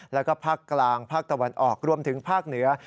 แล้วก็ภาคกลางภาคตะวันออกรวมถึงภาคเหนือ